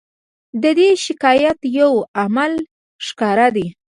د دې شکایت یو عامل ښکاره دی.